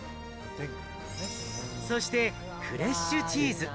そしてフレッシュチーズ。